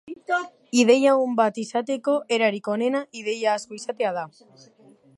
Ideia on bat izateko erarik onena ideia asko izatea da.